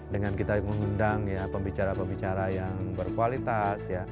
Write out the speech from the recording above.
dengan kita mengundang pembicara pembicara yang berkualitas